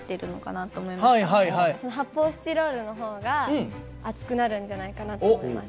発泡スチロールの方が熱くなるんじゃないかなと思います。